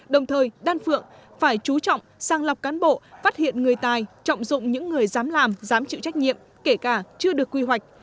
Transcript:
đồng thời đan phượng phải chú trọng sang lọc cán bộ phát hiện người tài trọng dụng những người dám làm dám chịu trách nhiệm kể cả chưa được quy hoạch